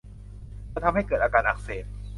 จะทำให้เกิดอาการอักเสบ